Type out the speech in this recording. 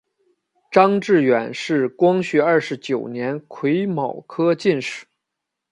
张智远是光绪二十九年癸卯科进士。